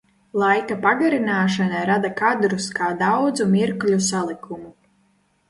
Laika pagarināšana rada kadrus kā daudzu mirkļu salikumu.